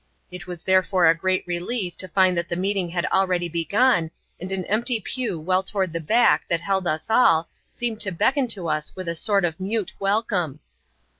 It was therefore a great relief to find that the meeting had already begun, and an empty pew well toward the back that held us all, seemed to beckon to us with a sort of mute welcome.